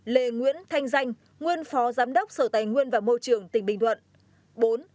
ba lê nguyễn thanh danh nguyên phó giám đốc sở tài nguyên và môi trường tỉnh bình thuận